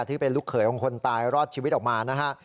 ที่เป็นลูกเขยของคนตายรอดชีวิตออกมานะฮะ